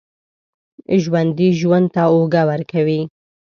ژوندي ژوند ته اوږه ورکوي